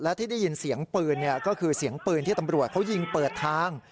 และที่ได้ยินเสียงปืนก็คือเสียงปืนที่ตำรวจเขายิงเปิดทาง